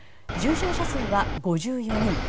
重症者数は５４人。